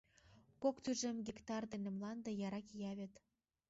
Кок тӱжем гектар дене мланде яра кия вет.